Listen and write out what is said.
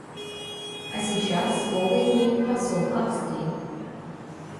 А сейчас слово имеет посол Австрии.